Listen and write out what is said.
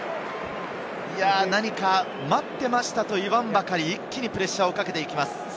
待ってましたと言わんばかり、一気にプレッシャーをかけていきます。